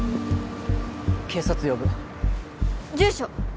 警察呼ぶ住所！